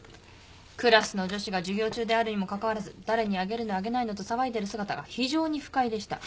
クラスの女子が授業中であるにもかかわらず誰にあげるのあげないのと騒いでる姿が非常に不快でした。